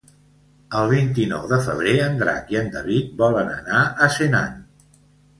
El vint-i-nou de febrer en Drac i en David volen anar a Senan.